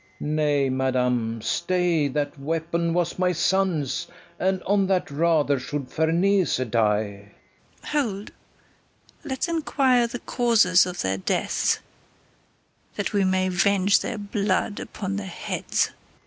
Nay, madam, stay; that weapon was my son's, And on that rather should Ferneze die. KATHARINE. Hold; let's inquire the causers of their deaths, That we may venge their blood upon their heads.